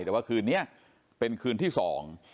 แต่ว่าคืนนี้เป็นคืนที่สอง